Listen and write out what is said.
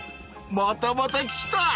またまた来た！